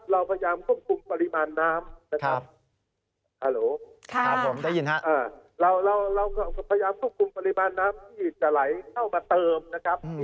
เราพยายามควบคุมปริมาณน้ำที่จะไหลเข้ามาเติมนะครับ